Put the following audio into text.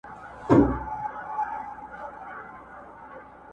ستا لپاره ده دا مینه، زه یوازي تا لرمه٫